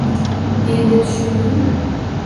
Endi tushundingmi?